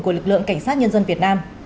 của lực lượng cảnh sát nhân dân việt nam